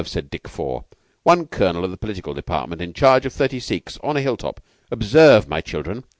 said Dick Four. "One colonel of the Political Department in charge of thirty Sikhs, on a hilltop. Observe, my children!"